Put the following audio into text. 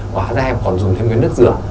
hóa ra em còn dùng thêm cái nước rửa